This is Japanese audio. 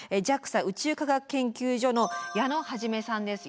ＪＡＸＡ宇宙科学研究所の矢野創さんです。